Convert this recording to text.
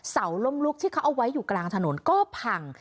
เสาล้มลุกที่เขาเอาไว้อยู่กลางถนนก็พัง